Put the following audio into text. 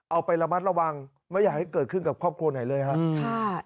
เอาไประมัดระวังไม่อยากให้เกิดขึ้นกับครอบครัวไหนเลยครับ